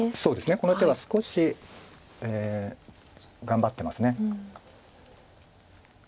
この手は少し頑張ってます。